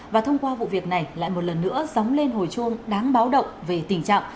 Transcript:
và thông qua vụ việc này lại một lần nữa dóng lên hồi chuông đáng báo động về tình trạng